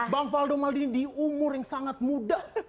bang faldo maldini di umur yang sangat muda